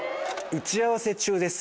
「打ち合わせ中です」